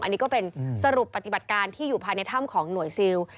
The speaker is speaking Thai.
อันนี้ก็เป็นสรุปปฏิบัติการที่อยู่ภายในถ้ำของหน่วยซิล